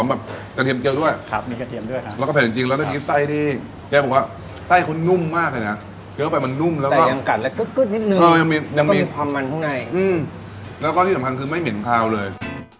ยังมีความมันข้างในอืมแล้วก็ที่สำคัญคือไม่เหม็นขาวเลย